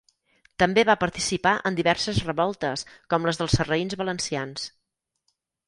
També va participar en diverses revoltes, com les dels sarraïns valencians.